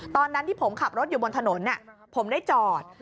ตอนนั้นที่ผมขับรถอยู่บนถนนผมได้จอด